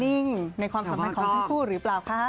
ดวงในความสำลังของทั้งคู่หรือเปล่าคะ